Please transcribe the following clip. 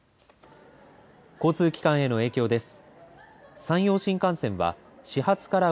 交通機関への影響です。